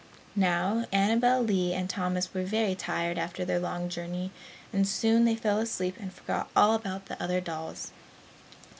Now, Annabel Lee and Thomas were very tired after their long journey and soon they fell asleep and forgot all about the other dolls.